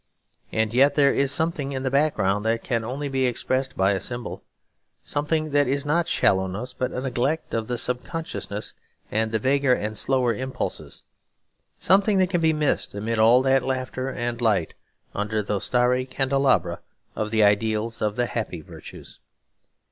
And yet there is something in the background that can only be expressed by a symbol, something that is not shallowness but a neglect of the subconsciousness and the vaguer and slower impulses; something that can be missed amid all that laughter and light, under those starry candelabra of the ideals of the happy virtues.